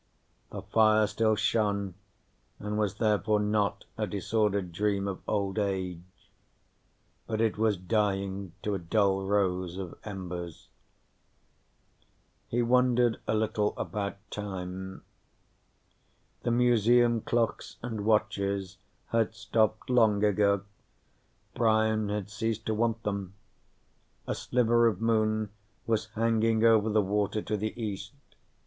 The fire still shone and was therefore not a disordered dream of old age, but it was dying to a dull rose of embers. He wondered a little about time. The Museum clocks and watches had stopped long ago; Brian had ceased to want them. A sliver of moon was hanging over the water to the east.